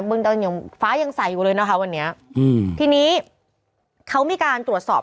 เมืองต้นยังฟ้ายังใส่อยู่เลยนะคะวันนี้อืมทีนี้เขามีการตรวจสอบ